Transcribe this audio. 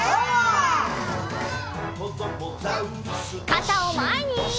かたをまえに！